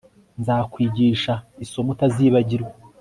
Nzakwigisha isomo utazibagirwa